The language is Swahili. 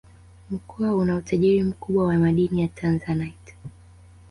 Mkoa una utajiri mkubwa wa madini ya Tanzanite